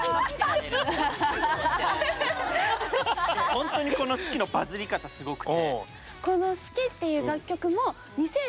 ほんとにこの「すきっ！」のバズり方すごくて。